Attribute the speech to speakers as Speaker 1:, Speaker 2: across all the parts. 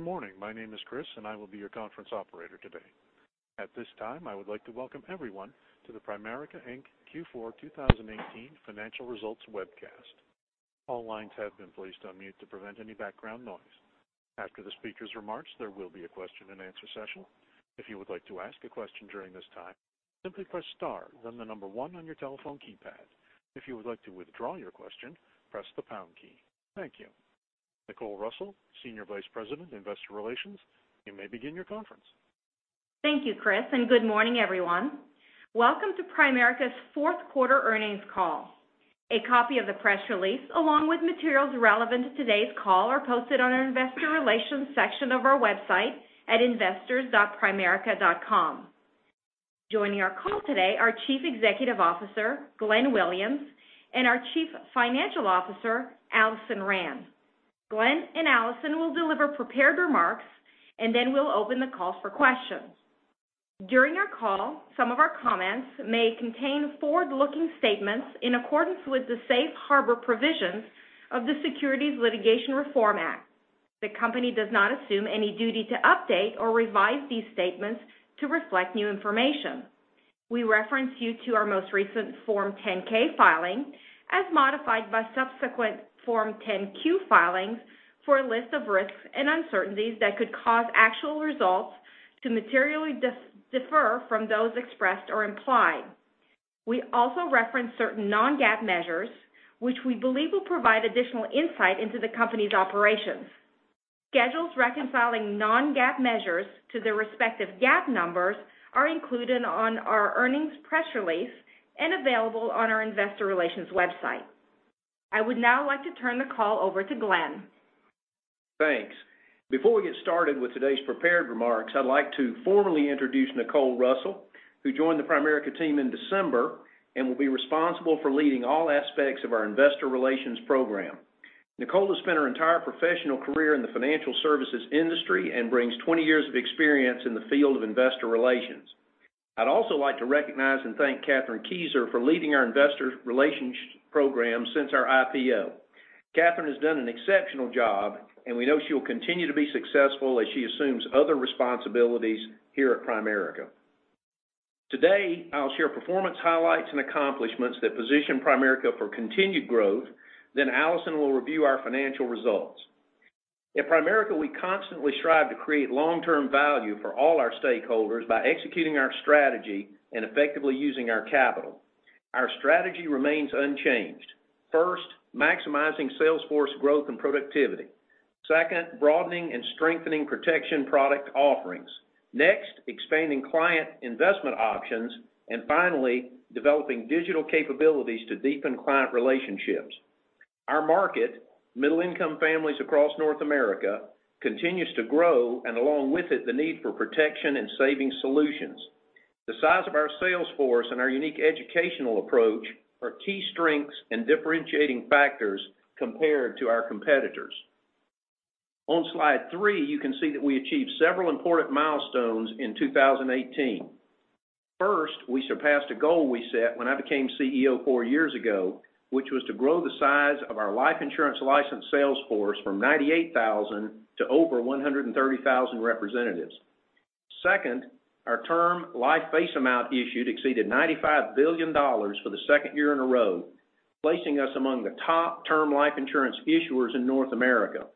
Speaker 1: Good morning. My name is Chris, and I will be your conference operator today. At this time, I would like to welcome everyone to the Primerica, Inc. Q4 2018 Financial Results Webcast. All lines have been placed on mute to prevent any background noise. After the speakers' remarks, there will be a question and answer session. If you would like to ask a question during this time, simply press star, then the number one on your telephone keypad. If you would like to withdraw your question, press the pound key. Thank you. Nicole Russell, Senior Vice President, Investor Relations, you may begin your conference.
Speaker 2: Thank you, Chris. Good morning, everyone. Welcome to Primerica's fourth quarter earnings call. A copy of the press release, along with materials relevant to today's call, are posted on our investor relations section of our website at investors.primerica.com. Joining our call today are Chief Executive Officer, Glenn Williams, and our Chief Financial Officer, Alison Rand. Glenn and Alison will deliver prepared remarks. Then we'll open the call for questions. During our call, some of our comments may contain forward-looking statements in accordance with the safe harbor provisions of the Securities Litigation Reform Act. The company does not assume any duty to update or revise these statements to reflect new information. We reference you to our most recent Form 10-K filing, as modified by subsequent Form 10-Q filings, for a list of risks and uncertainties that could cause actual results to materially differ from those expressed or implied. We also reference certain non-GAAP measures which we believe will provide additional insight into the company's operations. Schedules reconciling non-GAAP measures to their respective GAAP numbers are included on our earnings press release and available on our investor relations website. I would now like to turn the call over to Glenn.
Speaker 3: Thanks. Before we get started with today's prepared remarks, I'd like to formally introduce Nicole Russell, who joined the Primerica team in December and will be responsible for leading all aspects of our investor relations program. Nicole has spent her entire professional career in the financial services industry and brings 20 years of experience in the field of investor relations. I'd also like to recognize and thank Kathryn Kieser for leading our investor relations program since our IPO. Kathryn has done an exceptional job. We know she will continue to be successful as she assumes other responsibilities here at Primerica. Today, I'll share performance highlights and accomplishments that position Primerica for continued growth. Alison will review our financial results. At Primerica, we constantly strive to create long-term value for all our stakeholders by executing our strategy and effectively using our capital. Our strategy remains unchanged. First, maximizing sales force growth and productivity. Second, broadening and strengthening protection product offerings. Next, expanding client investment options. Finally, developing digital capabilities to deepen client relationships. Our market, middle-income families across North America, continues to grow, and along with it, the need for protection and saving solutions. The size of our sales force and our unique educational approach are key strengths and differentiating factors compared to our competitors. On slide three, you can see that we achieved several important milestones in 2018. First, we surpassed a goal we set when I became CEO four years ago, which was to grow the size of our life insurance licensed sales force from 98,000 to over 130,000 representatives. Second, our term life face amount issued exceeded $95 billion for the second year in a row, placing us among the top term life insurance issuers in North America.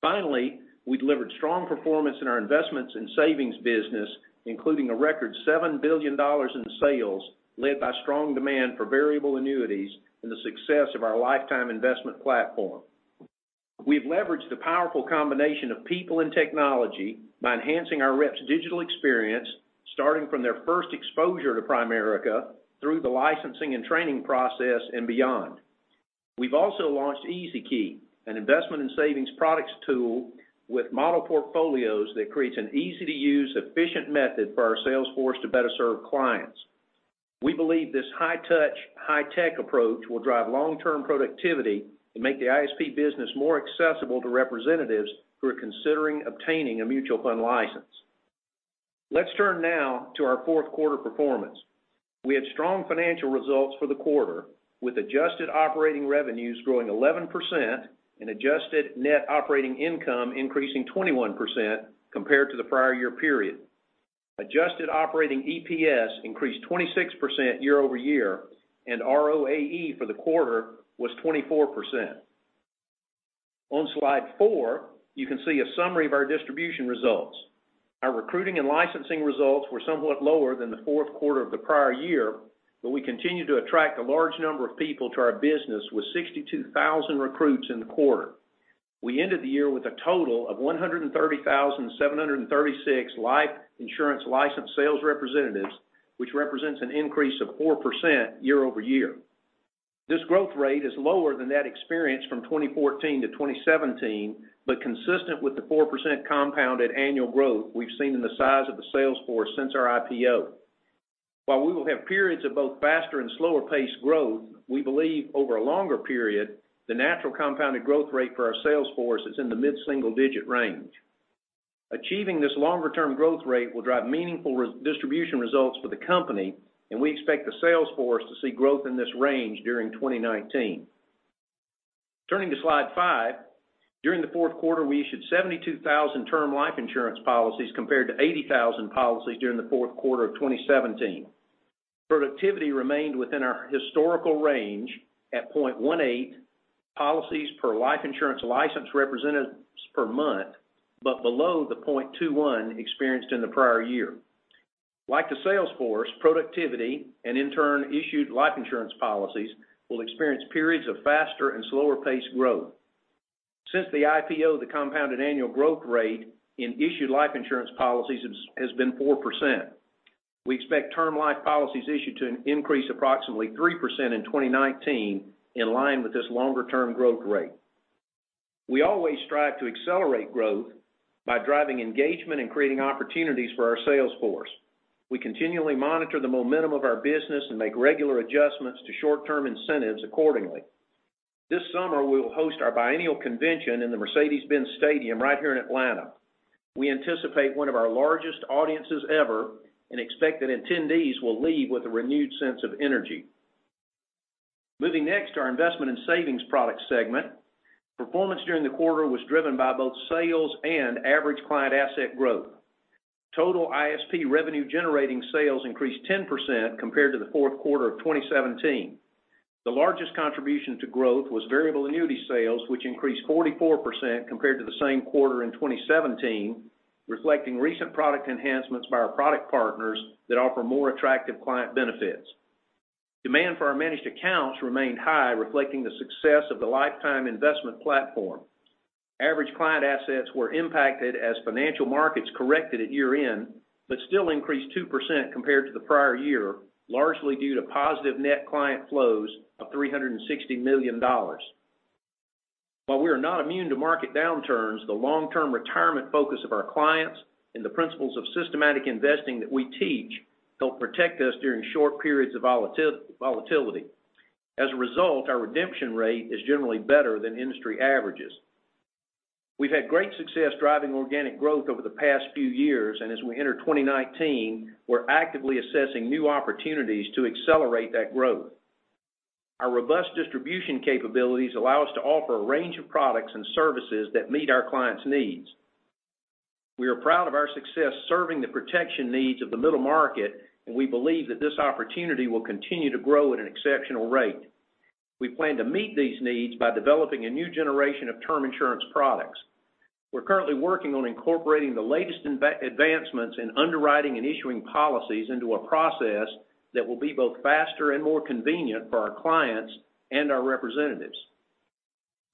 Speaker 3: Finally, we delivered strong performance in our investments and savings business, including a record $7 billion in sales, led by strong demand for variable annuities and the success of our Lifetime Investment Platform. We've leveraged the powerful combination of people and technology by enhancing our reps digital experience, starting from their first exposure to Primerica, through the licensing and training process, and beyond. We've also launched EZ Key, an investment in savings products tool with model portfolios that creates an easy-to-use, efficient method for our sales force to better serve clients. We believe this high-touch, high-tech approach will drive long-term productivity and make the ISP business more accessible to representatives who are considering obtaining a Mutual Fund license. Let's turn now to our fourth quarter performance. We had strong financial results for the quarter, with adjusted operating revenues growing 11% and adjusted net operating income increasing 21% compared to the prior year period. Adjusted operating EPS increased 26% year-over-year, and ROAE for the quarter was 24%. On slide four, you can see a summary of our distribution results. Our recruiting and licensing results were somewhat lower than the fourth quarter of the prior year, but we continue to attract a large number of people to our business with 62,000 recruits in the quarter. We ended the year with a total of 130,736 life insurance licensed sales representatives, which represents an increase of 4% year-over-year. This growth rate is lower than that experienced from 2014 to 2017, but consistent with the 4% compounded annual growth we've seen in the size of the sales force since our IPO. While we will have periods of both faster and slower paced growth, we believe over a longer period, the natural compounded growth rate for our sales force is in the mid-single-digit range. Achieving this longer-term growth rate will drive meaningful distribution results for the company, and we expect the sales force to see growth in this range during 2019. Turning to slide five, during the fourth quarter, we issued 72,000 term life insurance policies compared to 80,000 policies during the fourth quarter of 2017. Productivity remained within our historical range at 0.18 policies per life insurance license representatives per month, but below the 0.21 experienced in the prior year. Like the sales force, productivity, and in turn, issued life insurance policies will experience periods of faster and slower paced growth. Since the IPO, the compounded annual growth rate in issued life insurance policies has been 4%. We expect term life policies issued to increase approximately 3% in 2019, in line with this longer-term growth rate. We always strive to accelerate growth by driving engagement and creating opportunities for our sales force. We continually monitor the momentum of our business and make regular adjustments to short-term incentives accordingly. This summer, we will host our biennial convention in the Mercedes-Benz Stadium right here in Atlanta. We anticipate one of our largest audiences ever and expect that attendees will leave with a renewed sense of energy. Moving next to our investment in savings product segment. Performance during the quarter was driven by both sales and average client asset growth. Total ISP revenue generating sales increased 10% compared to the fourth quarter of 2017. The largest contribution to growth was variable annuity sales, which increased 44% compared to the same quarter in 2017, reflecting recent product enhancements by our product partners that offer more attractive client benefits. Demand for our Managed Accounts remained high, reflecting the success of the Lifetime Investment Platform. Average client assets were impacted as financial markets corrected at year-end, but still increased 2% compared to the prior year, largely due to positive net client flows of $360 million. While we are not immune to market downturns, the long-term retirement focus of our clients and the principles of systematic investing that we teach help protect us during short periods of volatility. As a result, our redemption rate is generally better than industry averages. We've had great success driving organic growth over the past few years, and as we enter 2019, we're actively assessing new opportunities to accelerate that growth. Our robust distribution capabilities allow us to offer a range of products and services that meet our clients' needs. We are proud of our success serving the protection needs of the middle market, and we believe that this opportunity will continue to grow at an exceptional rate. We plan to meet these needs by developing a new generation of term insurance products. We're currently working on incorporating the latest advancements in underwriting and issuing policies into a process that will be both faster and more convenient for our clients and our representatives.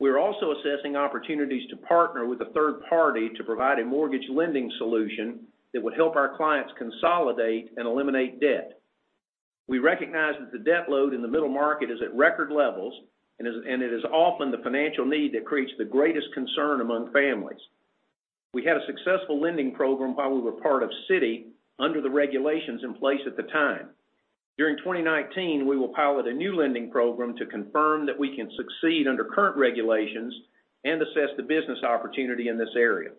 Speaker 3: We are also assessing opportunities to partner with a third party to provide a mortgage lending solution that would help our clients consolidate and eliminate debt. We recognize that the debt load in the middle market is at record levels, and it is often the financial need that creates the greatest concern among families. We had a successful lending program while we were part of Citi, under the regulations in place at the time. During 2019, we will pilot a new lending program to confirm that we can succeed under current regulations and assess the business opportunity in this area.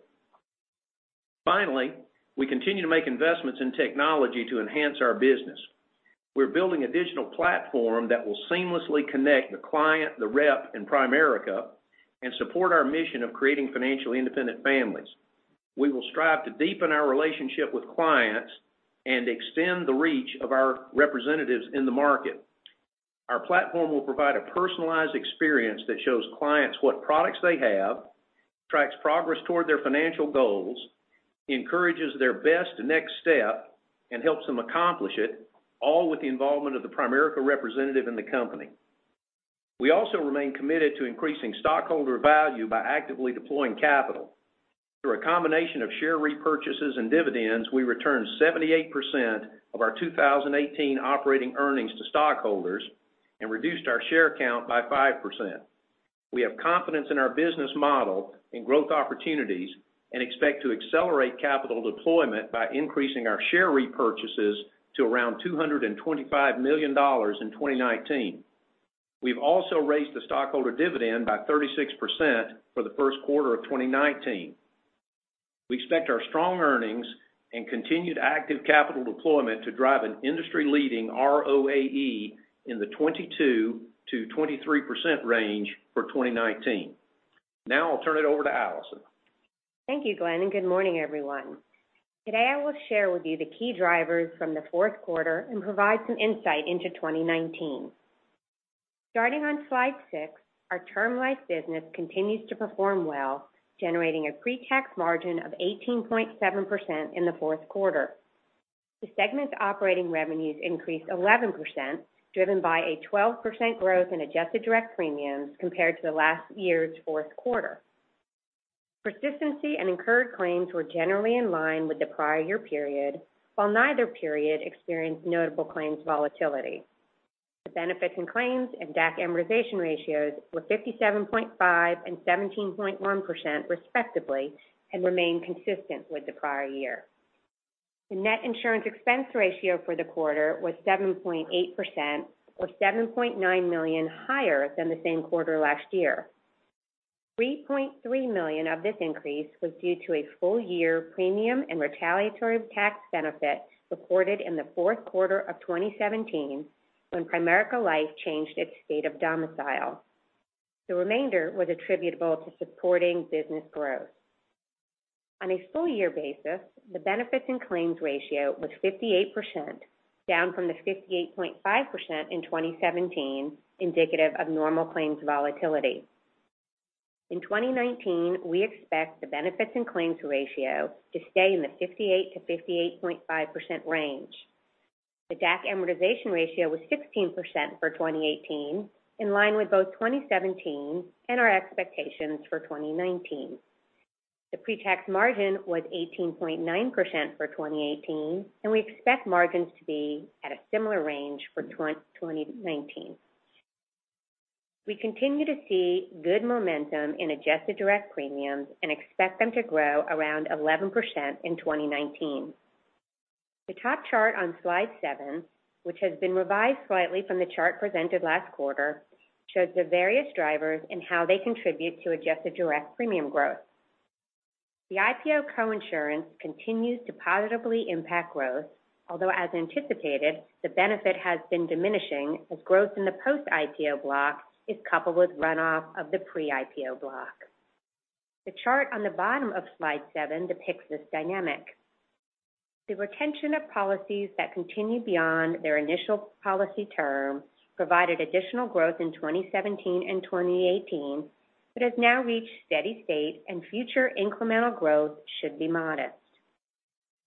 Speaker 3: Finally, we continue to make investments in technology to enhance our business. We're building a digital platform that will seamlessly connect the client, the rep, and Primerica, and support our mission of creating financially independent families. We will strive to deepen our relationship with clients and extend the reach of our representatives in the market. Our platform will provide a personalized experience that shows clients what products they have, tracks progress toward their financial goals, encourages their best next step, and helps them accomplish it, all with the involvement of the Primerica representative in the company. We also remain committed to increasing stockholder value by actively deploying capital. Through a combination of share repurchases and dividends, we returned 78% of our 2018 operating earnings to stockholders and reduced our share count by 5%. We have confidence in our business model and growth opportunities and expect to accelerate capital deployment by increasing our share repurchases to around $225 million in 2019. We've also raised the stockholder dividend by 36% for the first quarter of 2019. We expect our strong earnings and continued active capital deployment to drive an industry-leading ROAE in the 22%-23% range for 2019. Now I'll turn it over to Alison.
Speaker 4: Thank you, Glenn, and good morning, everyone. Today, I will share with you the key drivers from the fourth quarter and provide some insight into 2019. Starting on slide six, our term life business continues to perform well, generating a pre-tax margin of 18.7% in the fourth quarter. The segment's operating revenues increased 11%, driven by a 12% growth in adjusted direct premiums compared to last year's fourth quarter. Persistency and incurred claims were generally in line with the prior year period, while neither period experienced notable claims volatility. The benefits and claims and DAC amortization ratios were 57.5% and 17.1%, respectively, and remain consistent with the prior year. The net insurance expense ratio for the quarter was 7.8%, or $7.9 million higher than the same quarter last year. $3.3 million of this increase was due to a full year premium and retaliatory tax benefit recorded in the fourth quarter of 2017 when Primerica Life changed its state of domicile. The remainder was attributable to supporting business growth. On a full year basis, the benefits and claims ratio was 58%, down from the 58.5% in 2017, indicative of normal claims volatility. In 2019, we expect the benefits and claims ratio to stay in the 58%-58.5% range. The DAC amortization ratio was 16% for 2018, in line with both 2017 and our expectations for 2019. The pre-tax margin was 18.9% for 2018, and we expect margins to be at a similar range for 2019. We continue to see good momentum in adjusted direct premiums and expect them to grow around 11% in 2019. The top chart on slide seven, which has been revised slightly from the chart presented last quarter, shows the various drivers and how they contribute to adjusted direct premium growth. The IPO coinsurance continues to positively impact growth, although, as anticipated, the benefit has been diminishing as growth in the post-IPO block is coupled with runoff of the pre-IPO block. The chart on the bottom of slide seven depicts this dynamic. The retention of policies that continue beyond their initial policy term provided additional growth in 2017 and 2018, but has now reached steady state and future incremental growth should be modest.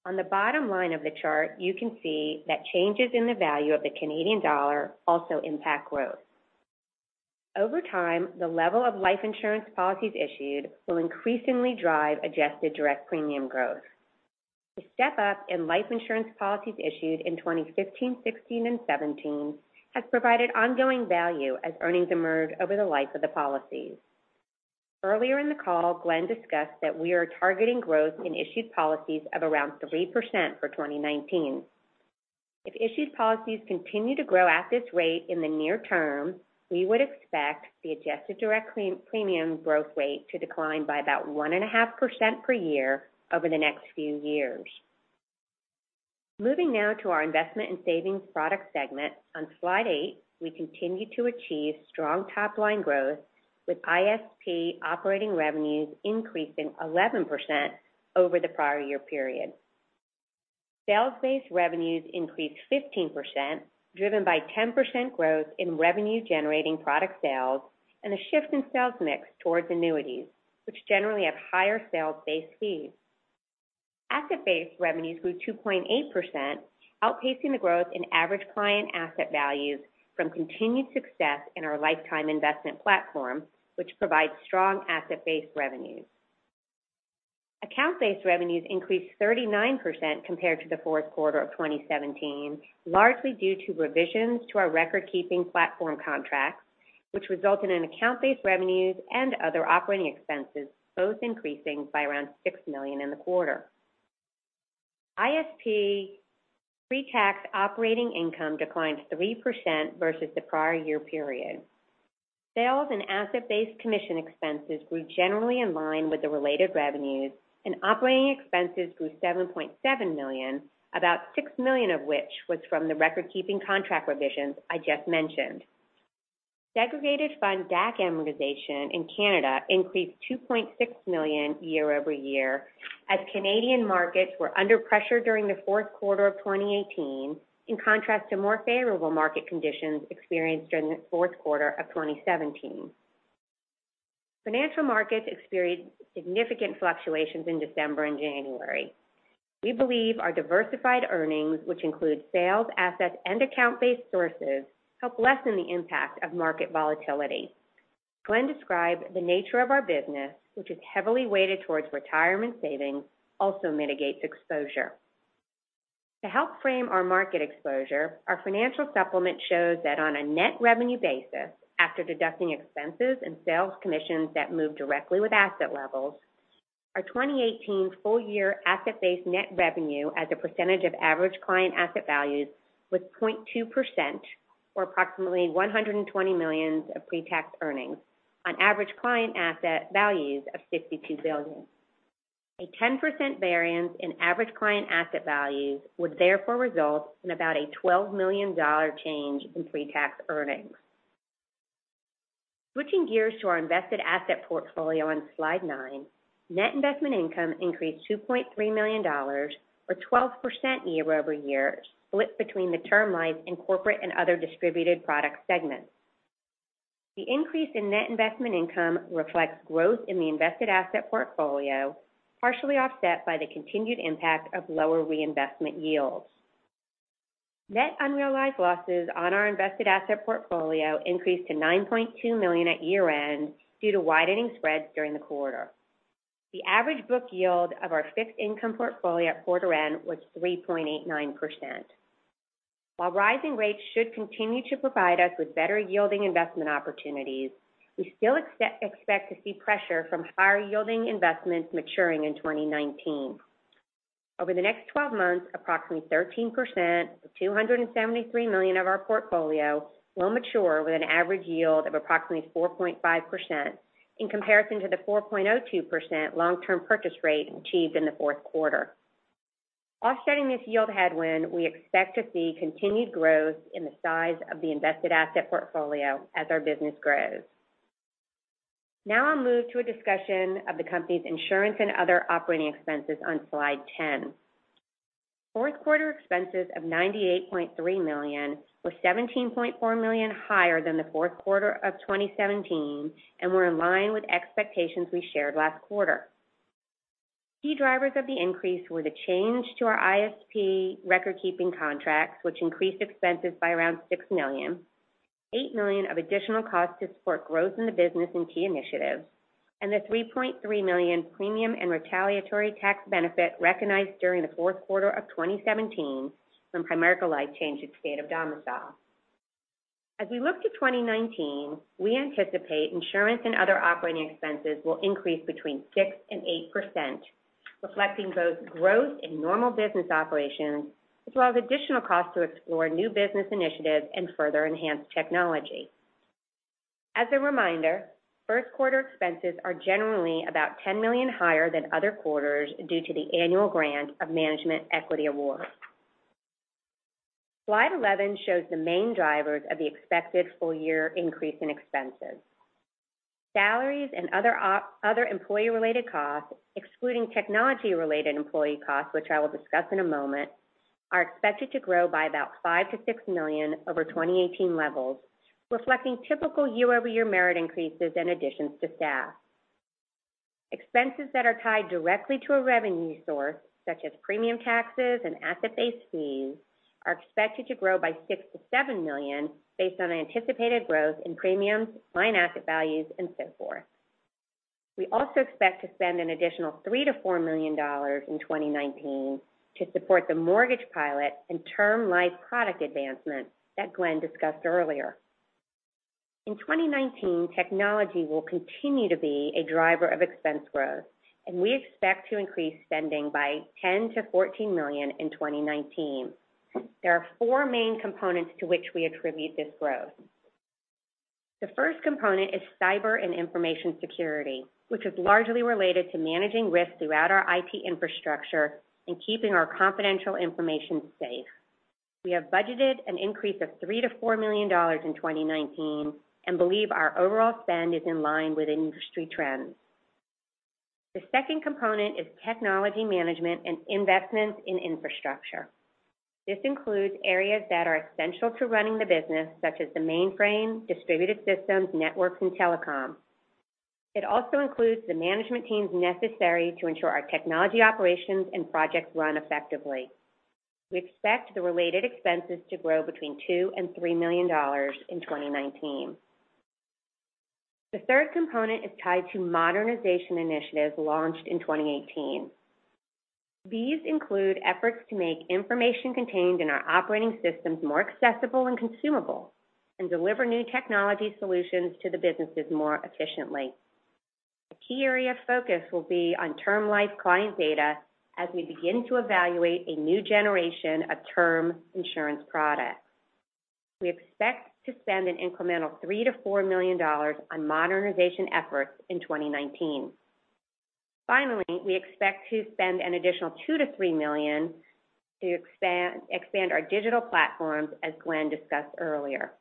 Speaker 4: On the bottom line of the chart, you can see that changes in the value of the Canadian dollar also impact growth. Over time, the level of life insurance policies issued will increasingly drive adjusted direct premium growth. The step-up in life insurance policies issued in 2015, 2016, and 2017 has provided ongoing value as earnings emerge over the life of the policies. Earlier in the call, Glenn discussed that we are targeting growth in issued policies of around 3% for 2019. If issued policies continue to grow at this rate in the near term, we would expect the adjusted direct premium growth rate to decline by about 1.5% per year over the next few years. Moving now to our Investment and Savings Products segment. On slide eight, we continue to achieve strong top-line growth, with ISP operating revenues increasing 11% over the prior year period. Sales-based revenues increased 15%, driven by 10% growth in revenue-generating product sales and a shift in sales mix towards annuities, which generally have higher sales-based fees. Asset-based revenues grew 2.8%, outpacing the growth in average client asset values from continued success in our Lifetime Investment Platform, which provides strong asset-based revenues. Account-based revenues increased 39% compared to the fourth quarter of 2017, largely due to revisions to our record-keeping platform contracts, which resulted in account-based revenues and other operating expenses both increasing by around $6 million in the quarter. ISP pre-tax operating income declined 3% versus the prior year period. Sales and asset-based commission expenses grew generally in line with the related revenues, and operating expenses grew $7.7 million, about $6 million of which was from the record-keeping contract revisions I just mentioned. Segregated Fund DAC amortization in Canada increased $2.6 million year-over-year as Canadian markets were under pressure during the fourth quarter of 2018, in contrast to more favorable market conditions experienced during the fourth quarter of 2017. Financial markets experienced significant fluctuations in December and January. We believe our diversified earnings, which include sales, assets, and account-based sources, help lessen the impact of market volatility. Glenn described the nature of our business, which is heavily weighted towards retirement savings, also mitigates exposure. To help frame our market exposure, our financial supplement shows that on a net revenue basis, after deducting expenses and sales commissions that move directly with asset levels, our 2018 full year asset-based net revenue as a percentage of average client asset values was 0.2%, or approximately $120 million of pre-tax earnings on average client asset values of $62 billion. A 10% variance in average client asset values would therefore result in about a $12 million change in pre-tax earnings. Switching gears to our invested asset portfolio on slide nine, net investment income increased $2.3 million, or 12% year-over-year, split between the term life and corporate and other distributed product segments. The increase in net investment income reflects growth in the invested asset portfolio, partially offset by the continued impact of lower reinvestment yields. Net unrealized losses on our invested asset portfolio increased to $9.2 million at year-end due to widening spreads during the quarter. The average book yield of our fixed income portfolio at quarter end was 3.89%. While rising rates should continue to provide us with better yielding investment opportunities, we still expect to see pressure from higher yielding investments maturing in 2019. Over the next 12 months, approximately 13%, or $273 million of our portfolio will mature with an average yield of approximately 4.5% in comparison to the 4.02% long-term purchase rate achieved in the fourth quarter. Offsetting this yield headwind, we expect to see continued growth in the size of the invested asset portfolio as our business grows. Now I'll move to a discussion of the company's insurance and other operating expenses on slide 10. Fourth quarter expenses of $98.3 million were $17.4 million higher than the fourth quarter of 2017 and were in line with expectations we shared last quarter. Key drivers of the increase were the change to our ISP record-keeping contracts, which increased expenses by around $6 million, $8 million of additional costs to support growth in the business and key initiatives, and the $3.3 million premium and retaliatory tax benefit recognized during the fourth quarter of 2017 when Primerica Life changed its state of domicile. As we look to 2019, we anticipate insurance and other operating expenses will increase between 6% and 8%, reflecting both growth in normal business operations, as well as additional costs to explore new business initiatives and further enhance technology. As a reminder, first quarter expenses are generally about $10 million higher than other quarters due to the annual grant of management equity awards. Slide 11 shows the main drivers of the expected full year increase in expenses. Salaries and other employee-related costs, excluding technology-related employee costs, which I will discuss in a moment, are expected to grow by about $5 million-$6 million over 2018 levels, reflecting typical year-over-year merit increases and additions to staff. Expenses that are tied directly to a revenue source, such as premium taxes and asset-based fees, are expected to grow by $6 million-$7 million based on anticipated growth in premiums, client asset values, and so forth. We also expect to spend an additional $3 million-$4 million in 2019 to support the mortgage pilot and term life product advancement that Glenn discussed earlier. In 2019, technology will continue to be a driver of expense growth, and we expect to increase spending by $10 million-$14 million in 2019. There are four main components to which we attribute this growth. The first component is cyber and information security, which is largely related to managing risk throughout our IT infrastructure and keeping our confidential information safe. We have budgeted an increase of $3 million-$4 million in 2019 and believe our overall spend is in line with industry trends. The second component is technology management and investments in infrastructure. This includes areas that are essential to running the business, such as the mainframe, distributed systems, networks, and telecom. It also includes the management teams necessary to ensure our technology operations and projects run effectively. We expect the related expenses to grow between $2 million and $3 million in 2019. The third component is tied to modernization initiatives launched in 2018. These include efforts to make information contained in our operating systems more accessible and consumable and deliver new technology solutions to the businesses more efficiently. A key area of focus will be on term life client data as we begin to evaluate a new generation of term insurance products. We expect to spend an incremental $3 million-$4 million on modernization efforts in 2019. Finally, we expect to spend an additional $2 million-$3 million to expand our digital platforms, as Glenn discussed earlier.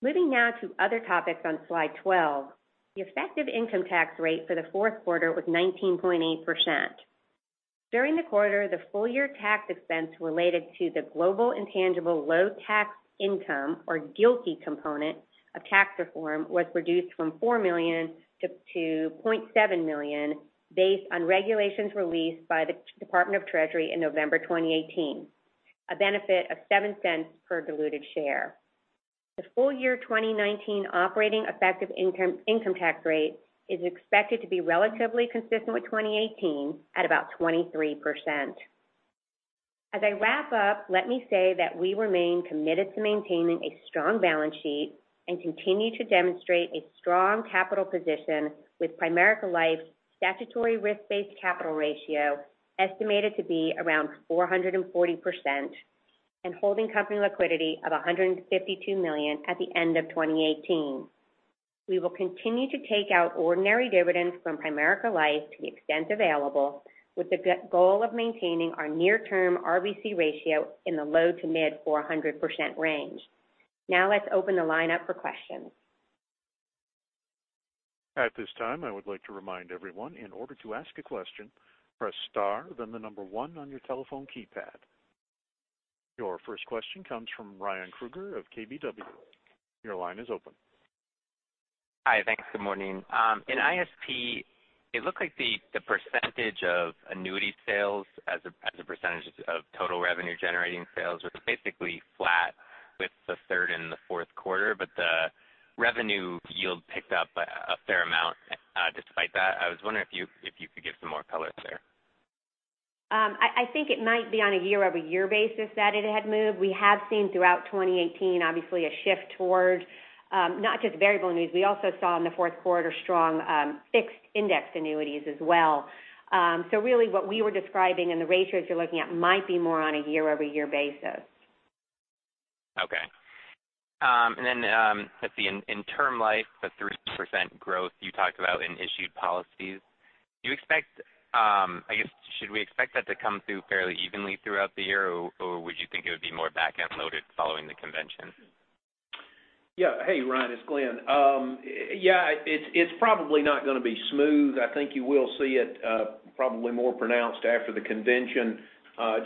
Speaker 4: Moving now to other topics on slide 12, the effective income tax rate for the fourth quarter was 19.8%. During the quarter, the full-year tax expense related to the Global Intangible Low-Tax Income, or GILTI component of tax reform was reduced from $4 million to $0.7 million based on regulations released by the Department of the Treasury in November 2018, a benefit of $0.07 per diluted share. The full-year 2019 operating effective income tax rate is expected to be relatively consistent with 2018 at about 23%. As I wrap up, let me say that we remain committed to maintaining a strong balance sheet and continue to demonstrate a strong capital position with Primerica Life's statutory risk-based capital ratio estimated to be around 440% and holding company liquidity of $152 million at the end of 2018. We will continue to take out ordinary dividends from Primerica Life to the extent available, with the goal of maintaining our near-term RBC ratio in the low to mid-400% range. Now let's open the line up for questions.
Speaker 1: At this time, I would like to remind everyone, in order to ask a question, press star then the number 1 on your telephone keypad. Your first question comes from Ryan Krueger of KBW. Your line is open.
Speaker 5: Hi. Thanks. Good morning. In ISP, it looked like the percentage of annuity sales as a percentage of total revenue-generating sales was basically flat with the third and the fourth quarter, but the revenue yield picked up a fair amount. Just to flesh out that, I was wondering if you could give some more color there.
Speaker 4: I think it might be on a year-over-year basis that it had moved. We have seen throughout 2018, obviously, a shift toward not just variable annuities. We also saw in the fourth quarter strong Fixed Indexed Annuities as well. Really what we were describing and the ratios you're looking at might be more on a year-over-year basis.
Speaker 5: Okay. Then, let's see, in term life, the 3% growth you talked about in issued policies. Should we expect that to come through fairly evenly throughout the year, or would you think it would be more back-end loaded following the convention?
Speaker 3: Yeah. Hey, Ryan, it's Glenn. Yeah, it's probably not going to be smooth. I think you will see it probably more pronounced after the convention.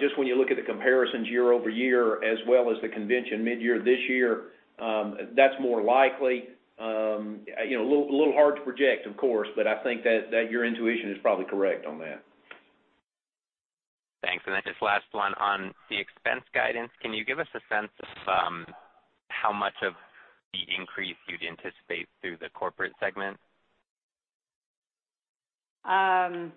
Speaker 3: Just when you look at the comparisons year-over-year as well as the convention mid-year this year, that's more likely. A little hard to project, of course, but I think that your intuition is probably correct on that.
Speaker 5: Thanks. Then just last one on the expense guidance. Can you give us a sense of how much of the increase you'd anticipate through the corporate segment?
Speaker 4: I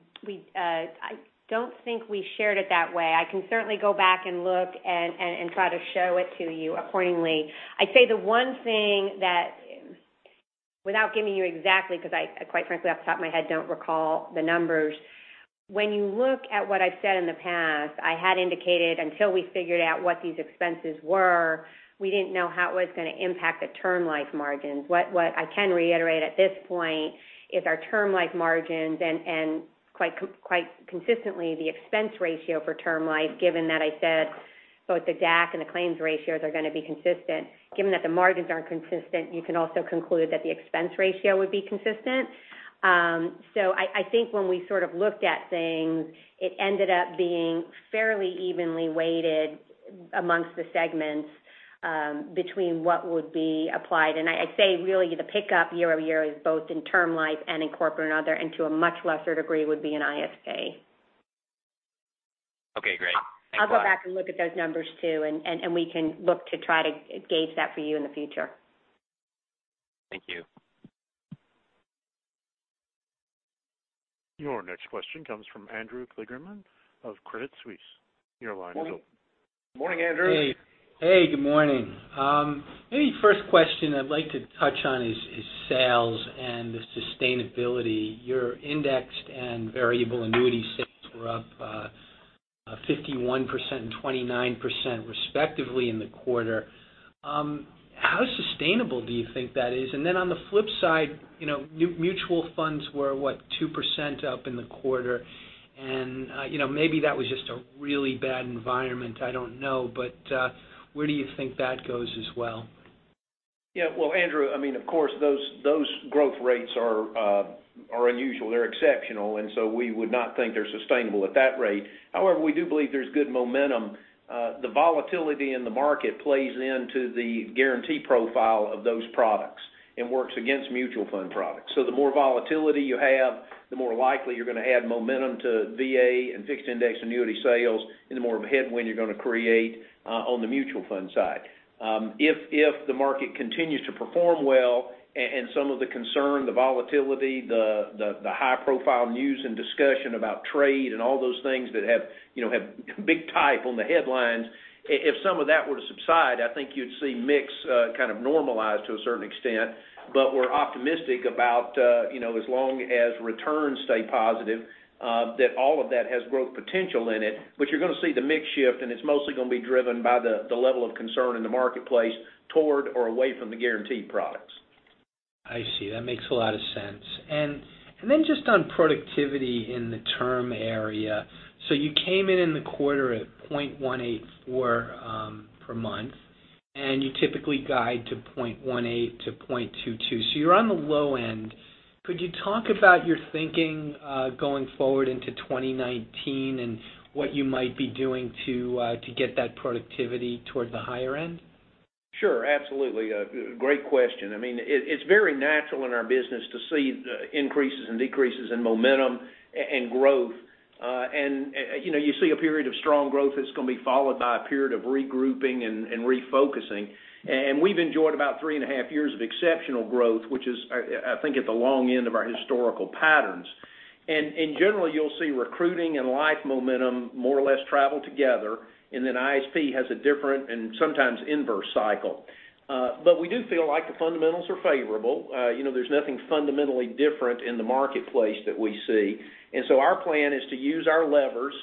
Speaker 4: don't think we shared it that way. I can certainly go back and look and try to show it to you accordingly. I'd say the one thing that, without giving you exactly, because I quite frankly off the top of my head don't recall the numbers. When you look at what I've said in the past, I had indicated until we figured out what these expenses were, we didn't know how it was going to impact the term life margins. What I can reiterate at this point is our term life margins and quite consistently the expense ratio for term life, given that I said both the DAC and the claims ratios are going to be consistent. Given that the margins are consistent, you can also conclude that the expense ratio would be consistent. I think when we sort of looked at things, it ended up being fairly evenly weighted amongst the segments between what would be applied. I say, really, the pickup year-over-year is both in term life and in corporate and other, and to a much lesser degree, would be in ISP.
Speaker 5: Okay, great. Thanks a lot.
Speaker 4: I'll go back and look at those numbers, too, and we can look to try to gauge that for you in the future.
Speaker 5: Thank you.
Speaker 1: Your next question comes from Andrew Kligerman of Credit Suisse. Your line is open.
Speaker 3: Morning, Andrew.
Speaker 6: Hey. Good morning. Maybe first question I'd like to touch on is sales and the sustainability. Your indexed and variable annuity sales were up 51% and 29% respectively in the quarter. How sustainable do you think that is? Then on the flip side, Mutual Funds were, what, 2% up in the quarter. Maybe that was just a really bad environment, I don't know, but where do you think that goes as well?
Speaker 3: Yeah. Well, Andrew, of course, those growth rates are unusual. They're exceptional. We would not think they're sustainable at that rate. However, we do believe there's good momentum. The volatility in the market plays into the guarantee profile of those products and works against Mutual Fund products. The more volatility you have, the more likely you're going to add momentum to VA and Fixed Indexed Annuity sales and the more of a headwind you're going to create on the Mutual Fund side. If the market continues to perform well and some of the concern, the volatility, the high-profile news and discussion about trade and all those things that have big type on the headlines, if some of that were to subside, I think you'd see mix kind of normalize to a certain extent. We're optimistic about as long as returns stay positive, that all of that has growth potential in it. You're going to see the mix shift, and it's mostly going to be driven by the level of concern in the marketplace toward or away from the guaranteed products.
Speaker 6: I see. That makes a lot of sense. Just on productivity in the term area. You came in in the quarter at 0.184 per month, and you typically guide to 0.18 to 0.22. You're on the low end. Could you talk about your thinking going forward into 2019 and what you might be doing to get that productivity toward the higher end?
Speaker 3: Sure. Absolutely. Great question. It's very natural in our business to see increases and decreases in momentum and growth. You see a period of strong growth that's going to be followed by a period of regrouping and refocusing. We've enjoyed about three and a half years of exceptional growth, which is I think at the long end of our historical patterns. In general, you'll see recruiting and life momentum more or less travel together, and then ISP has a different and sometimes inverse cycle. We do feel like the fundamentals are favorable. There's nothing fundamentally different in the marketplace that we see. Our plan is to use our levers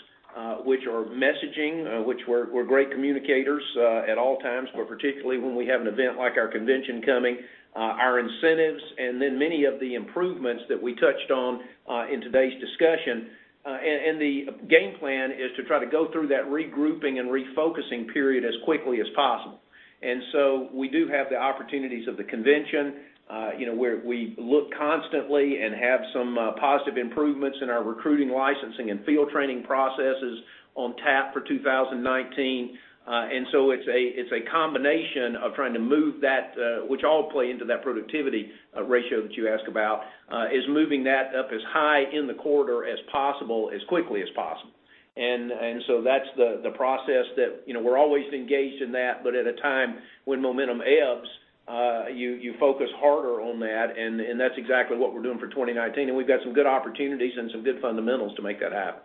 Speaker 3: which are messaging, which we're great communicators at all times, but particularly when we have an event like our convention coming, our incentives, and many of the improvements that we touched on in today's discussion. The game plan is to try to go through that regrouping and refocusing period as quickly as possible. We do have the opportunities of the convention where we look constantly and have some positive improvements in our recruiting, licensing, and field training processes on tap for 2019. It's a combination of trying to move that, which all play into that productivity ratio that you asked about, is moving that up as high in the corridor as possible, as quickly as possible. That's the process that we're always engaged in that, but at a time when momentum ebbs, you focus harder on that, and that's exactly what we're doing for 2019, and we've got some good opportunities and some good fundamentals to make that happen.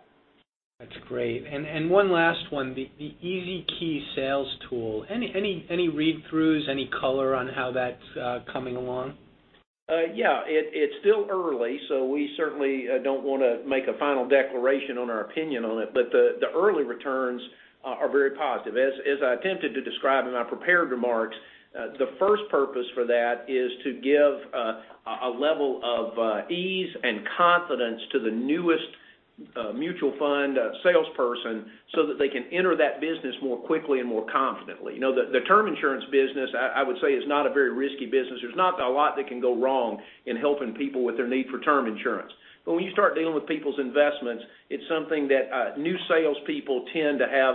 Speaker 6: That's great. One last one, the EZ Key sales tool. Any read-throughs, any color on how that's coming along?
Speaker 3: Yeah. It's still early, we certainly don't want to make a final declaration on our opinion on it, the early returns are very positive. As I attempted to describe in my prepared remarks, the first purpose for that is to give a level of ease and confidence to the newest Mutual Fund salesperson so that they can enter that business more quickly and more confidently. The term insurance business, I would say, is not a very risky business. There's not a lot that can go wrong in helping people with their need for term insurance. When you start dealing with people's investments, it's something that new salespeople tend to have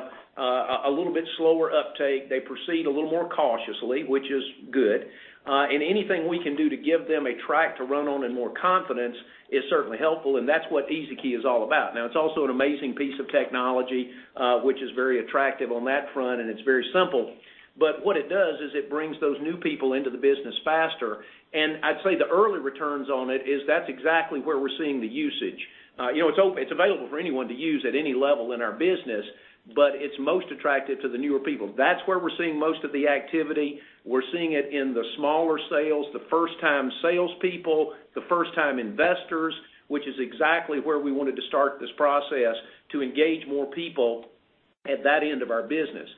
Speaker 3: a little bit slower uptake. They proceed a little more cautiously, which is good. Anything we can do to give them a track to run on and more confidence is certainly helpful, and that's what EZ Key is all about. It's also an amazing piece of technology, which is very attractive on that front, and it's very simple. What it does is it brings those new people into the business faster. I'd say the early returns on it is that's exactly where we're seeing the usage. It's available for anyone to use at any level in our business, but it's most attractive to the newer people. That's where we're seeing most of the activity. We're seeing it in the smaller sales, the first-time salespeople, the first-time investors, which is exactly where we wanted to start this process to engage more people at that end of our business.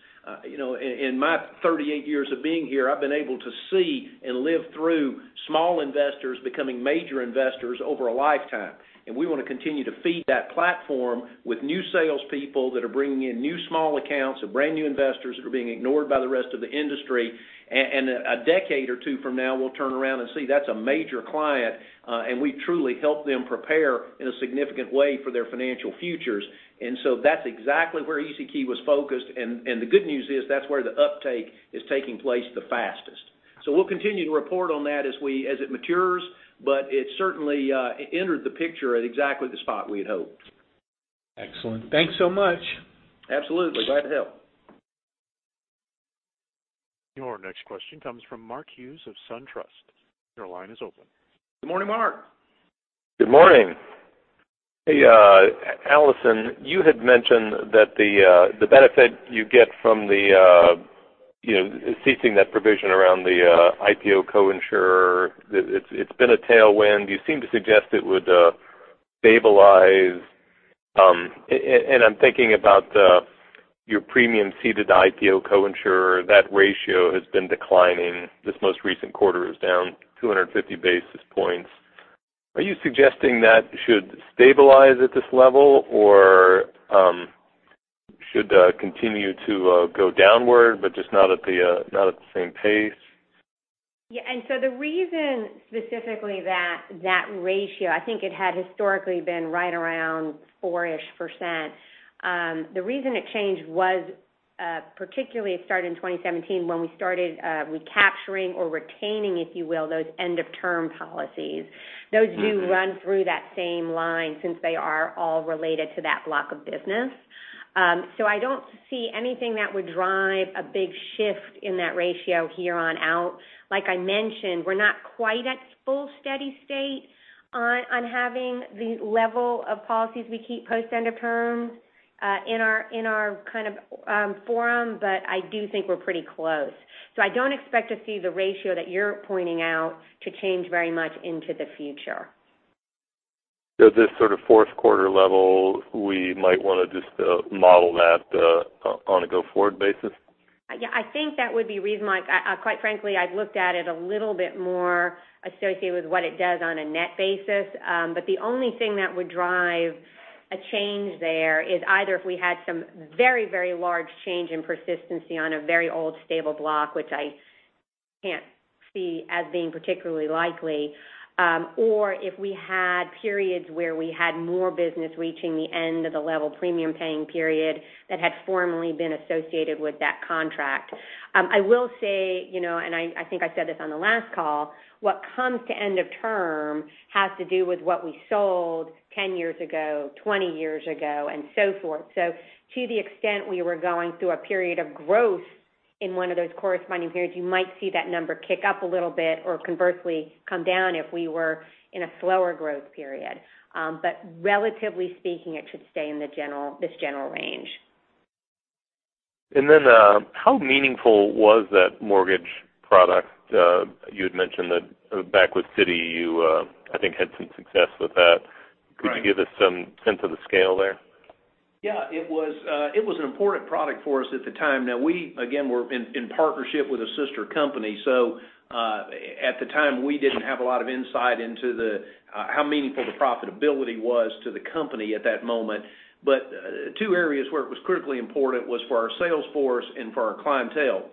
Speaker 3: In my 38 years of being here, I've been able to see and live through small investors becoming major investors over a lifetime. We want to continue to feed that platform with new salespeople that are bringing in new small accounts of brand new investors that are being ignored by the rest of the industry. A decade or two from now, we'll turn around and see that's a major client, and we truly helped them prepare in a significant way for their financial futures. That's exactly where EZ Key was focused, and the good news is that's where the uptake is taking place the fastest. We'll continue to report on that as it matures, but it certainly entered the picture at exactly the spot we had hoped.
Speaker 6: Excellent. Thanks so much.
Speaker 3: Absolutely. Glad to help.
Speaker 1: Your next question comes from Mark Hughes of SunTrust. Your line is open.
Speaker 3: Good morning, Mark.
Speaker 7: Good morning. Hey, Alison, you had mentioned that the benefit you get from ceasing that provision around the IPO co-insurer, it's been a tailwind. You seem to suggest it would stabilize. I'm thinking about your premium ceded IPO co-insurer. That ratio has been declining. This most recent quarter is down 250 basis points. Are you suggesting that should stabilize at this level or should continue to go downward but just not at the same pace?
Speaker 4: The reason specifically that that ratio, I think it had historically been right around 4%-ish. The reason it changed was, particularly it started in 2017 when we started recapturing or retaining, if you will, those end-of-term policies. Those do run through that same line since they are all related to that block of business. I don't see anything that would drive a big shift in that ratio here on out. Like I mentioned, we're not quite at full steady state on having the level of policies we keep post end of term in our form, but I do think we're pretty close. I don't expect to see the ratio that you're pointing out to change very much into the future.
Speaker 7: This sort of fourth quarter level, we might want to just model that on a go-forward basis?
Speaker 4: Yeah, I think that would be reasonable. Quite frankly, I've looked at it a little bit more associated with what it does on a net basis. The only thing that would drive a change there is either if we had some very large change in persistency on a very old stable block, which I can't see as being particularly likely, or if we had periods where we had more business reaching the end of the level premium paying period that had formerly been associated with that contract. I will say, and I think I said this on the last call, what comes to end of term has to do with what we sold 10 years ago, 20 years ago, and so forth. To the extent we were going through a period of growth in one of those corresponding periods, you might see that number kick up a little bit or conversely come down if we were in a slower growth period. Relatively speaking, it should stay in this general range.
Speaker 7: How meaningful was that mortgage product? You had mentioned that back with Citi, you, I think, had some success with that.
Speaker 3: Right.
Speaker 7: Could you give us some sense of the scale there?
Speaker 3: Yeah, it was an important product for us at the time. Now we, again, were in partnership with a sister company, so at the time, we didn't have a lot of insight into how meaningful the profitability was to the company at that moment. Two areas where it was critically important was for our sales force and for our clientele.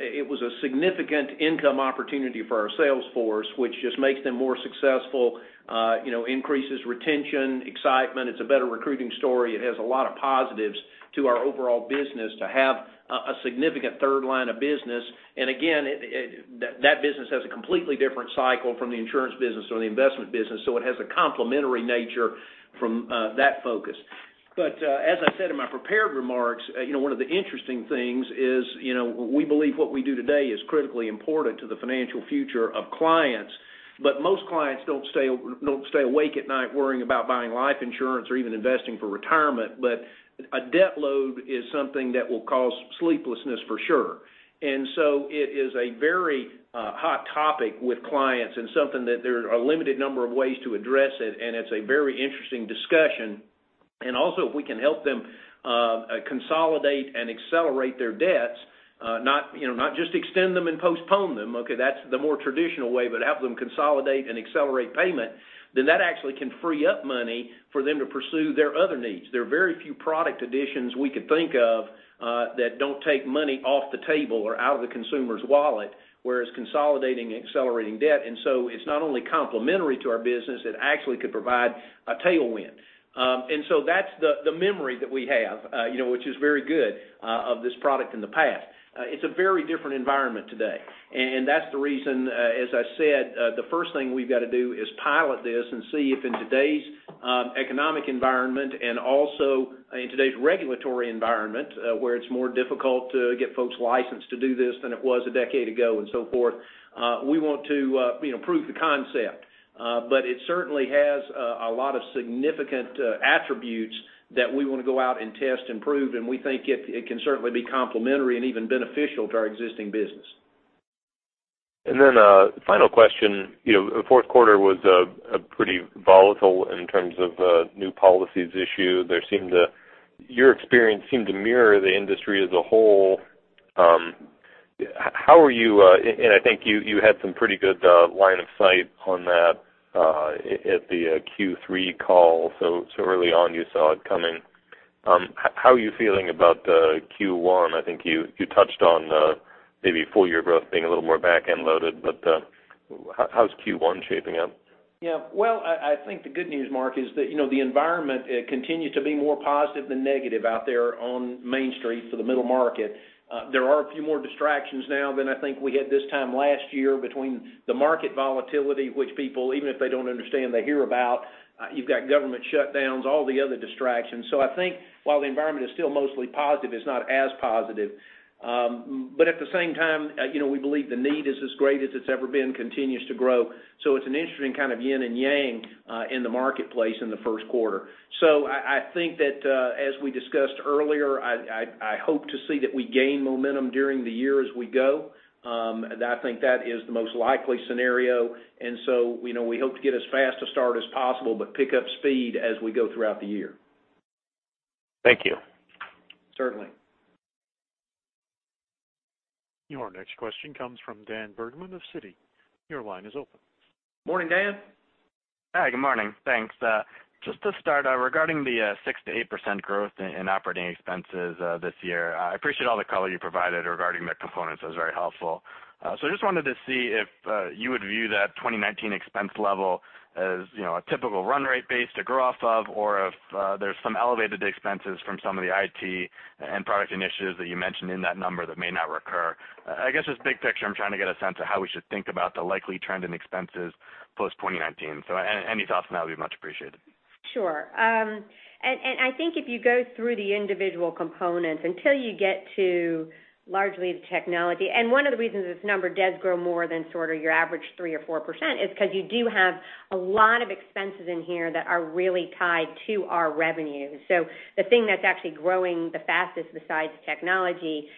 Speaker 3: It was a significant income opportunity for our sales force, which just makes them more successful, increases retention, excitement. It's a better recruiting story. It has a lot of positives to our overall business to have a significant third line of business. Again, that business has a completely different cycle from the insurance business or the investment business, so it has a complementary nature from that focus. As I said in my prepared remarks, one of the interesting things is we believe what we do today is critically important to the financial future of clients. Most clients don't stay awake at night worrying about buying life insurance or even investing for retirement, but a debt load is something that will cause sleeplessness for sure. It is a very hot topic with clients and something that there are a limited number of ways to address it, and it's a very interesting discussion. Also, if we can help them consolidate and accelerate their debts, not just extend them and postpone them, okay, that's the more traditional way, but have them consolidate and accelerate payment, then that actually can free up money for them to pursue their other needs. There are very few product additions we could think of that don't take money off the table or out of the consumer's wallet, whereas consolidating and accelerating debt. It's not only complementary to our business, it actually could provide a tailwind. That's the memory that we have, which is very good of this product in the past. It's a very different environment today. That's the reason, as I said, the first thing we've got to do is pilot this and see if in today's economic environment and also in today's regulatory environment, where it's more difficult to get folks licensed to do this than it was a decade ago and so forth, we want to prove the concept. It certainly has a lot of significant attributes that we want to go out and test and prove, and we think it can certainly be complementary and even beneficial to our existing business.
Speaker 7: Final question. Fourth quarter was pretty volatile in terms of new policies issued. Your experience seemed to mirror the industry as a whole. I think you had some pretty good line of sight on that at the Q3 call. Early on, you saw it coming. How are you feeling about Q1? I think you touched on maybe full year growth being a little more back-end loaded, how's Q1 shaping up?
Speaker 3: I think the good news, Mark, is that the environment continues to be more positive than negative out there on Main Street for the middle market. There are a few more distractions now than I think we had this time last year between the market volatility, which people, even if they don't understand, they hear about. You've got government shutdowns, all the other distractions. I think while the environment is still mostly positive, it's not as positive. At the same time, we believe the need is as great as it's ever been, continues to grow. It's an interesting kind of yin and yang in the marketplace in the first quarter. I think that as we discussed earlier, I hope to see that we gain momentum during the year as we go. I think that is the most likely scenario. We hope to get as fast a start as possible, but pick up speed as we go throughout the year.
Speaker 7: Thank you.
Speaker 3: Certainly.
Speaker 1: Your next question comes from Daniel Bergman of Citi. Your line is open.
Speaker 3: Morning, Dan.
Speaker 8: Hi, good morning. Thanks. Just to start, regarding the 6%-8% growth in operating expenses this year, I appreciate all the color you provided regarding the components. That was very helpful. I just wanted to see if you would view that 2019 expense level as a typical run rate base to grow off of, or if there's some elevated expenses from some of the IT and product initiatives that you mentioned in that number that may not recur. I guess just big picture, I'm trying to get a sense of how we should think about the likely trend in expenses post-2019. Any thoughts on that would be much appreciated.
Speaker 4: Sure. I think if you go through the individual components until you get to largely the technology, one of the reasons this number does grow more than sort of your average 3% or 4% is because you do have a lot of expenses in here that are really tied to our revenue. The thing that's actually growing the fastest besides technology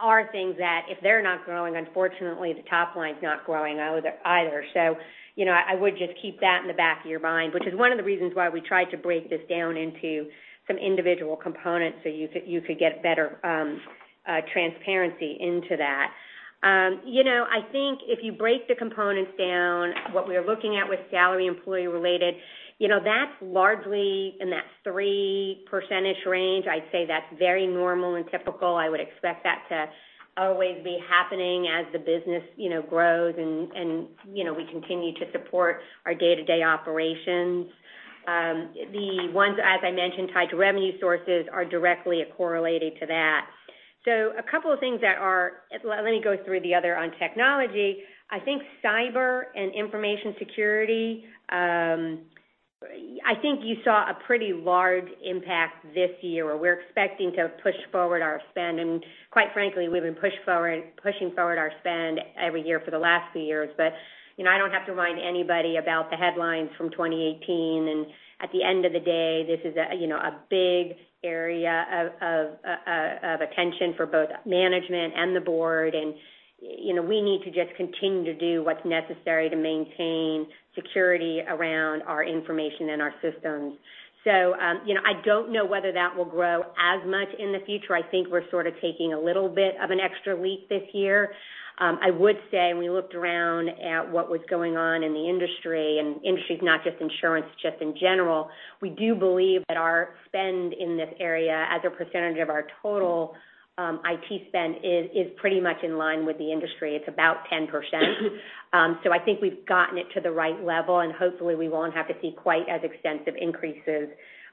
Speaker 4: are things that if they're not growing, unfortunately the top line's not growing either. I would just keep that in the back of your mind, which is one of the reasons why we try to break this down into some individual components so you could get better transparency into that. I think if you break the components down, what we are looking at with salary employee related, that's largely in that 3% range. I'd say that's very normal and typical. I would expect that to always be happening as the business grows and we continue to support our day-to-day operations. The ones, as I mentioned, tied to revenue sources are directly correlated to that. A couple of things that are, let me go through the other on technology. I think cyber and information security, I think you saw a pretty large impact this year where we're expecting to push forward our spend, and quite frankly, we've been pushing forward our spend every year for the last few years. I don't have to remind anybody about the headlines from 2018, and at the end of the day, this is a big area of attention for both management and the board, and we need to just continue to do what's necessary to maintain security around our information and our systems. I don't know whether that will grow as much in the future. I think we're sort of taking a little bit of an extra leap this year. I would say when we looked around at what was going on in the industry, and industry's not just insurance, just in general, we do believe that our spend in this area as a percentage of our total IT spend is pretty much in line with the industry. It's about 10%. I think we've gotten it to the right level, and hopefully we won't have to see quite as extensive increases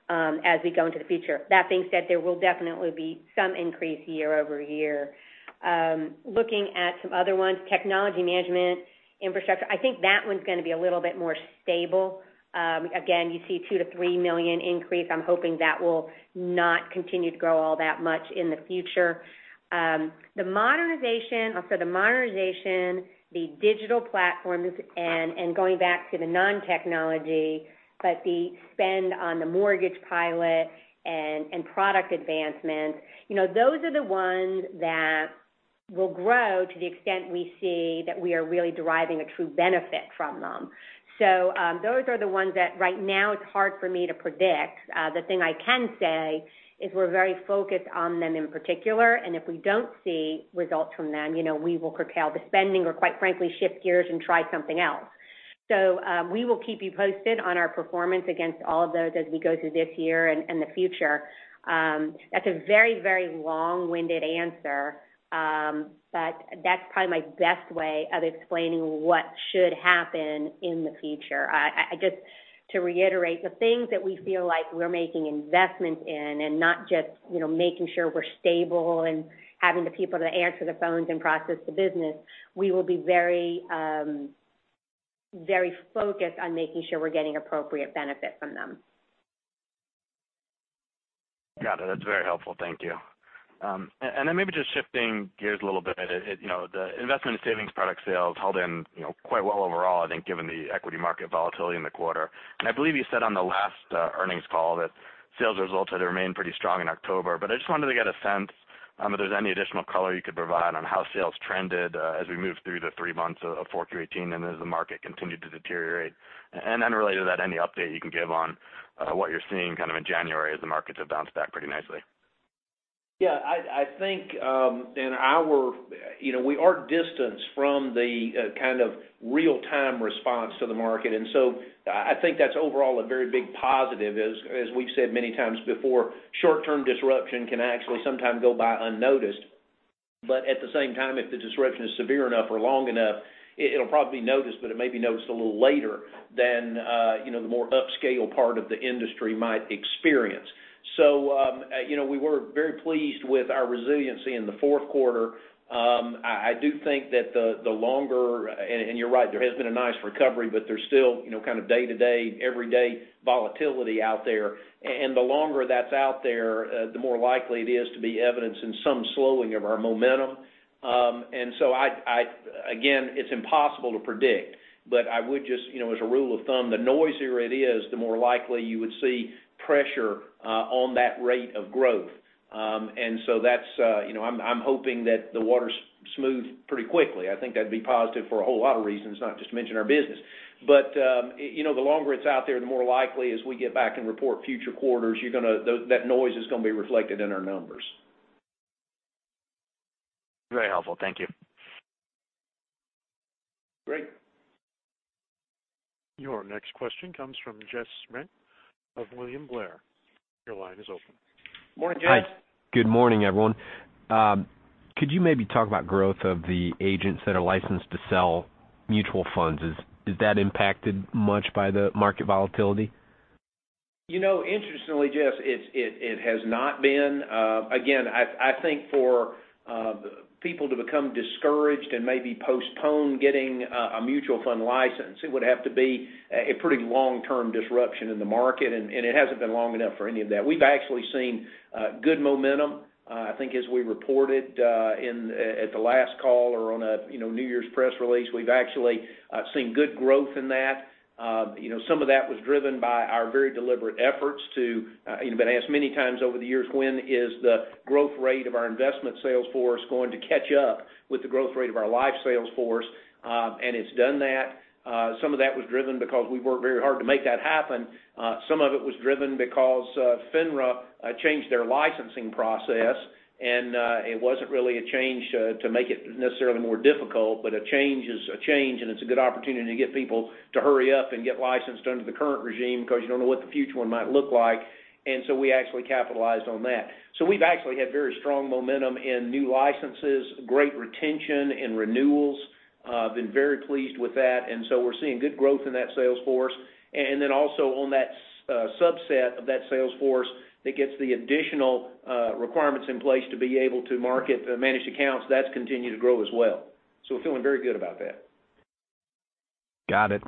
Speaker 4: as we go into the future. That being said, there will definitely be some increase year-over-year. Looking at some other ones, technology management, infrastructure, I think that one's going to be a little bit more stable. Again, you see $2 million-$3 million increase. I'm hoping that will not continue to grow all that much in the future. For the modernization, the digital platforms, going back to the non-technology, but the spend on the mortgage pilot and product advancement, those are the ones that will grow to the extent we see that we are really deriving a true benefit from them. Those are the ones that right now it's hard for me to predict. The thing I can say is we're very focused on them in particular, and if we don't see results from them, we will curtail the spending or quite frankly, shift gears and try something else. We will keep you posted on our performance against all of those as we go through this year and the future. That's a very, very long-winded answer, that's probably my best way of explaining what should happen in the future. Just to reiterate, the things that we feel like we're making investments in and not just making sure we're stable and having the people to answer the phones and process the business, we will be very focused on making sure we're getting appropriate benefit from them.
Speaker 8: Got it. That's very helpful. Thank you. Maybe just shifting gears a little bit, the Investment and Savings Products sales held in quite well overall, I think, given the equity market volatility in the quarter. I believe you said on the last earnings call that sales results had remained pretty strong in October, but I just wanted to get a sense if there's any additional color you could provide on how sales trended as we moved through the three months of 4Q 2018 and as the market continued to deteriorate. Related to that, any update you can give on what you're seeing in January as the markets have bounced back pretty nicely.
Speaker 3: Yeah, we are distanced from the real-time response to the market. I think that's overall a very big positive. As we've said many times before, short-term disruption can actually sometimes go by unnoticed. At the same time, if the disruption is severe enough or long enough, it'll probably be noticed, but it may be noticed a little later than the more upscale part of the industry might experience. We were very pleased with our resiliency in the fourth quarter. I do think that the longer, and you're right, there has been a nice recovery, but there's still day-to-day, everyday volatility out there. The longer that's out there, the more likely it is to be evidenced in some slowing of our momentum. Again, it's impossible to predict, but I would just as a rule of thumb, the noisier it is, the more likely you would see pressure on that rate of growth. I'm hoping that the water's smooth pretty quickly. I think that'd be positive for a whole lot of reasons, not just to mention our business. The longer it's out there, the more likely as we get back and report future quarters, that noise is going to be reflected in our numbers.
Speaker 8: Very helpful. Thank you.
Speaker 3: Great.
Speaker 1: Your next question comes from Jeff Schmitt of William Blair. Your line is open.
Speaker 3: Morning, Jeff.
Speaker 9: Hi. Good morning, everyone. Could you maybe talk about growth of the agents that are licensed to sell Mutual Funds? Is that impacted much by the market volatility?
Speaker 3: Interestingly, Jeff, it has not been. Again, I think for people to become discouraged and maybe postpone getting a Mutual Fund license, it would have to be a pretty long-term disruption in the market, and it hasn't been long enough for any of that. We've actually seen good momentum. I think as we reported at the last call or on a New Year's press release, we've actually seen good growth in that. Some of that was driven by our very deliberate efforts to, been asked many times over the years, when is the growth rate of our investment sales force going to catch up with the growth rate of our life sales force? It's done that. Some of that was driven because we worked very hard to make that happen. Some of it was driven because FINRA changed their licensing process, it wasn't really a change to make it necessarily more difficult, a change is a change, and it's a good opportunity to get people to hurry up and get licensed under the current regime because you don't know what the future one might look like. We actually capitalized on that. We've actually had very strong momentum in new licenses, great retention and renewals. Been very pleased with that. We're seeing good growth in that sales force. Also on that subset of that sales force that gets the additional requirements in place to be able to market the Managed Accounts, that's continued to grow as well. We're feeling very good about that.
Speaker 9: Got it.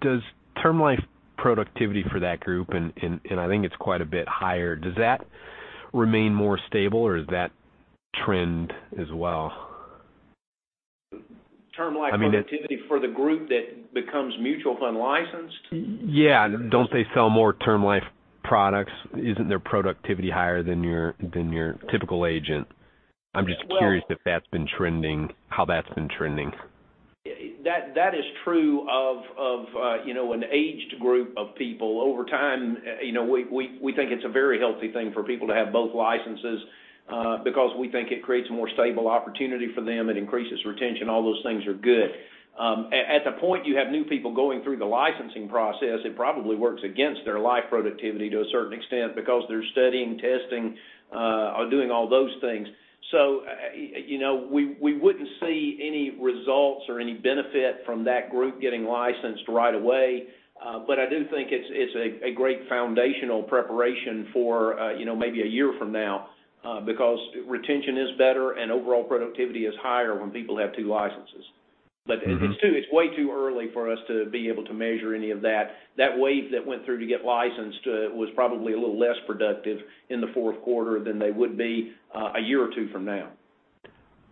Speaker 9: Does term life productivity for that group, and I think it's quite a bit higher, does that remain more stable or does that trend as well?
Speaker 3: Term life productivity for the group that becomes Mutual Fund licensed?
Speaker 9: Yeah. Don't they sell more term life products? Isn't their productivity higher than your typical agent? I'm just curious if that's been trending, how that's been trending.
Speaker 3: That is true of an aged group of people over time. We think it's a very healthy thing for people to have both licenses because we think it creates a more stable opportunity for them. It increases retention. All those things are good. At the point you have new people going through the licensing process, it probably works against their life productivity to a certain extent because they're studying, testing, are doing all those things. We wouldn't see any results or any benefit from that group getting licensed right away. I do think it's a great foundational preparation for maybe a year from now because retention is better and overall productivity is higher when people have two licenses. It's way too early for us to be able to measure any of that. That wave that went through to get licensed was probably a little less productive in the fourth quarter than they would be a year or two from now.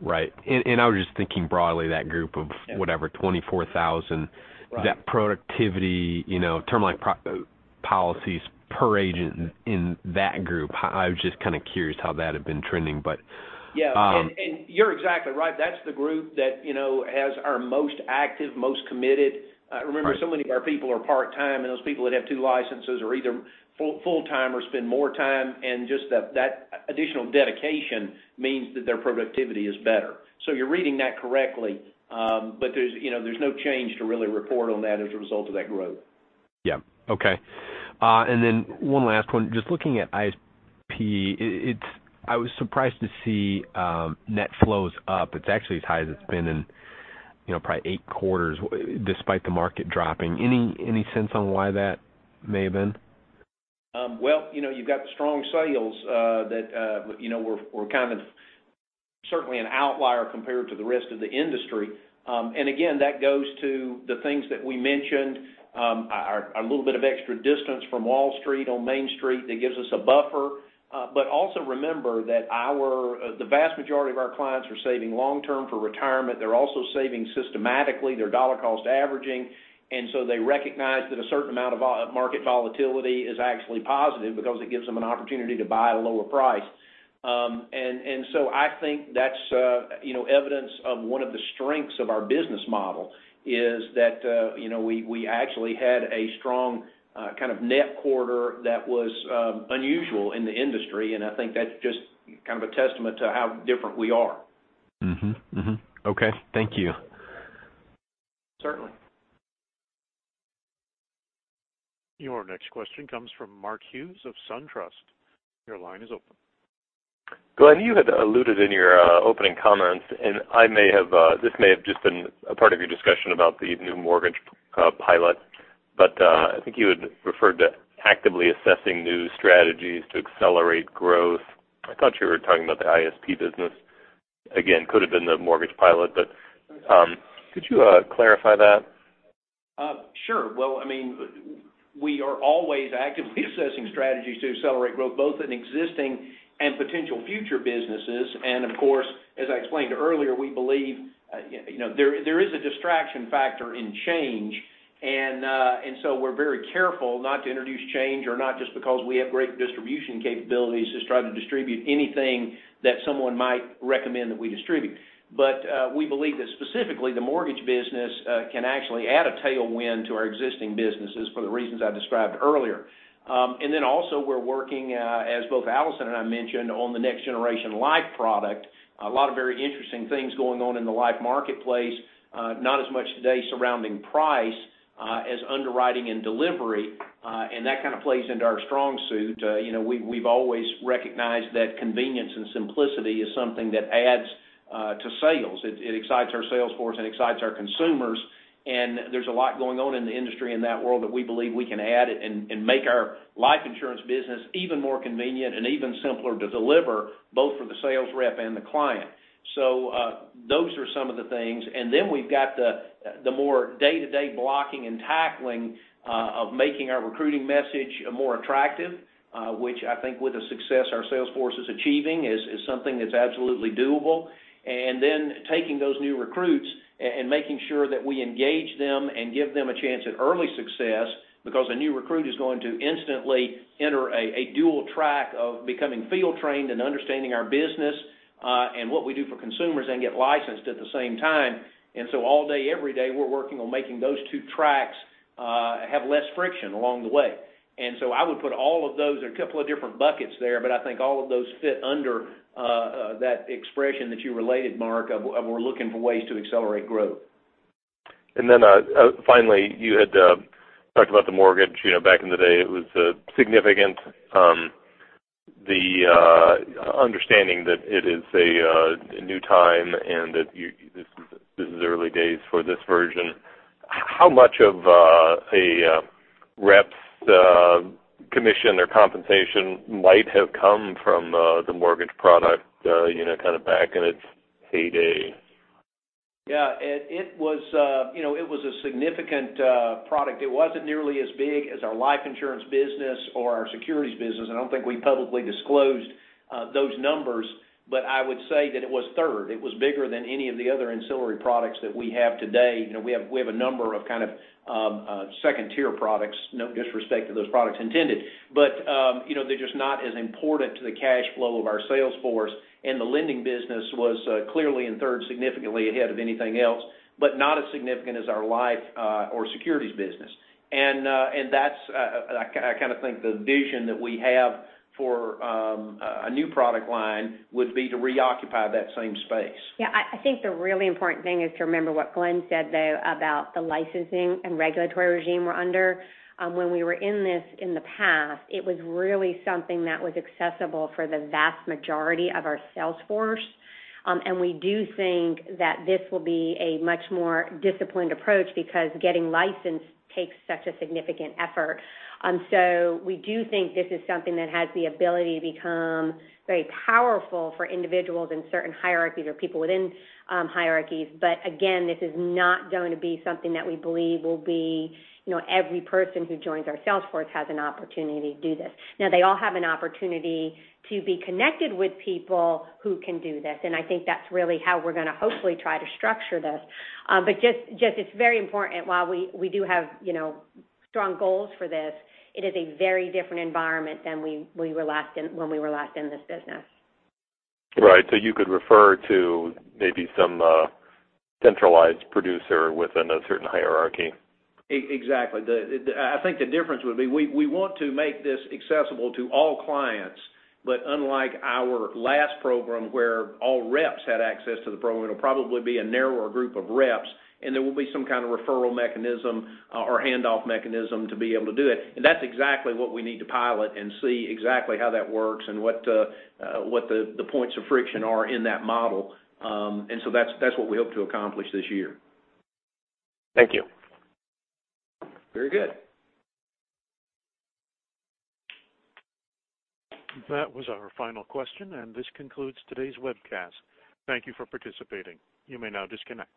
Speaker 9: Right. I was just thinking broadly, that group of whatever, 24,000.
Speaker 3: Right.
Speaker 9: That productivity, term life pro policies per agent in that group. I was just kind of curious how that had been trending.
Speaker 3: Yeah. You're exactly right. That's the group that is our most active, most committed. Remember, so many of our people are part-time, and those people that have two licenses are either full-time or spend more time, and just that additional dedication means that their productivity is better. You're reading that correctly. There's no change to really report on that as a result of that growth.
Speaker 9: Yeah. Okay. Then one last one. Just looking at ISP, I was surprised to see net flows up. It's actually as high as it's been in probably eight quarters, despite the market dropping. Any sense on why that may have been?
Speaker 3: Well, you've got the strong sales that we're kind of certainly an outlier compared to the rest of the industry. Again, that goes to the things that we mentioned, a little bit of extra distance from Wall Street on Main Street that gives us a buffer. Also remember that the vast majority of our clients are saving long-term for retirement. They're also saving systematically, they're dollar cost averaging. They recognize that a certain amount of market volatility is actually positive because it gives them an opportunity to buy at a lower price. I think that's evidence of one of the strengths of our business model is that we actually had a strong net quarter that was unusual in the industry, and I think that's just kind of a testament to how different we are.
Speaker 9: Okay. Thank you.
Speaker 3: Certainly.
Speaker 1: Your next question comes from Mark Hughes of SunTrust. Your line is open.
Speaker 7: Glenn, you had alluded in your opening comments, and this may have just been a part of your discussion about the new mortgage pilot, but I think you had referred to actively assessing new strategies to accelerate growth. I thought you were talking about the ISP business. Again, could have been the mortgage pilot, but could you clarify that?
Speaker 3: Sure. Well, we are always actively assessing strategies to accelerate growth, both in existing and potential future businesses. Of course, as I explained earlier, we believe there is a distraction factor in change, and so we're very careful not to introduce change, or not just because we have great distribution capabilities, just try to distribute anything that someone might recommend that we distribute. We believe that specifically the mortgage business can actually add a tailwind to our existing businesses for the reasons I described earlier. Also we're working, as both Alison and I mentioned, on the next generation life product. A lot of very interesting things going on in the life marketplace. Not as much today surrounding price as underwriting and delivery, and that kind of plays into our strong suit. We've always recognized that convenience and simplicity is something that adds to sales. It excites our sales force and excites our consumers. There's a lot going on in the industry in that world that we believe we can add and make our life insurance business even more convenient and even simpler to deliver, both for the sales rep and the client. Those are some of the things. We've got the more day-to-day blocking and tackling of making our recruiting message more attractive, which I think with the success our sales force is achieving, is something that's absolutely doable. Taking those new recruits and making sure that we engage them and give them a chance at early success because a new recruit is going to instantly enter a dual track of becoming field trained and understanding our business, and what we do for consumers, and get licensed at the same time. All day, every day, we're working on making those two tracks have less friction along the way. I would put all of those in a couple of different buckets there, but I think all of those fit under that expression that you related, Mark, of we're looking for ways to accelerate growth.
Speaker 7: Finally, you had talked about the mortgage. Back in the day, it was significant. The understanding that it is a new time and that this is early days for this version. How much of a rep's commission or compensation might have come from the mortgage product, kind of back in its heyday?
Speaker 3: Yeah. It was a significant product. It wasn't nearly as big as our life insurance business or our securities business. I don't think we publicly disclosed those numbers, but I would say that it was third. It was bigger than any of the other ancillary products that we have today. We have a number of kind of second-tier products, no disrespect to those products intended. They're just not as important to the cash flow of our sales force. The lending business was clearly in third, significantly ahead of anything else, but not as significant as our life or securities business. That's, I kind of think the vision that we have for a new product line would be to reoccupy that same space.
Speaker 4: I think the really important thing is to remember what Glenn said, though, about the licensing and regulatory regime we're under. When we were in this in the past, it was really something that was accessible for the vast majority of our sales force. We do think that this will be a much more disciplined approach because getting licensed takes such a significant effort. We do think this is something that has the ability to become very powerful for individuals in certain hierarchies or people within hierarchies. Again, this is not going to be something that we believe will be every person who joins our sales force has an opportunity to do this. They all have an opportunity to be connected with people who can do this, and I think that's really how we're going to hopefully try to structure this. Just it's very important, while we do have strong goals for this, it is a very different environment than when we were last in this business.
Speaker 7: Right. You could refer to maybe some centralized producer within a certain hierarchy.
Speaker 3: Exactly. I think the difference would be we want to make this accessible to all clients, unlike our last program, where all reps had access to the program, it'll probably be a narrower group of reps, and there will be some kind of referral mechanism or handoff mechanism to be able to do it. That's exactly what we need to pilot and see exactly how that works and what the points of friction are in that model. That's what we hope to accomplish this year.
Speaker 7: Thank you.
Speaker 3: Very good.
Speaker 1: That was our final question, and this concludes today's webcast. Thank you for participating. You may now disconnect.